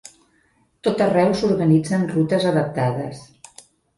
Tot arreu s'organitzen rutes adaptades.